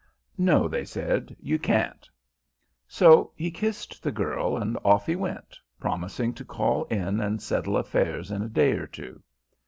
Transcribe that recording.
"'No,' they said, 'you can't.' "So he kissed the girl and off he went, promising to call in and settle affairs in a day or two.